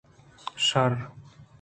شرّ